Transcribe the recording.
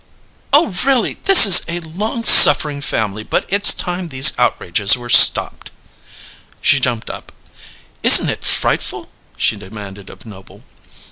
"Oh, really, this is a long suffering family, but it's time these outrages were stopped!" She jumped up. "Isn't it frightful?" she demanded of Noble.